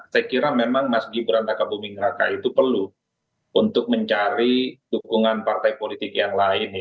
saya kira memang mas gibran raka buming raka itu perlu untuk mencari dukungan partai politik yang lain